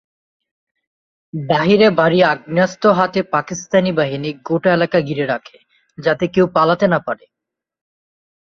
বাহিরে ভারি আগ্নেয়াস্ত্র হাতে পাকিস্তানি বাহিনী গোটা এলাকা ঘিরে রাখে, যাতে কেউ পালাতে না পারে।